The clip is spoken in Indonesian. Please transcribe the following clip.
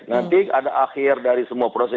nanti ada akhir dari semua proses